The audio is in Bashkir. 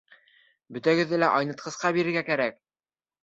Бөтәгеҙҙе лә айнытҡысҡа бирергә кәрәк.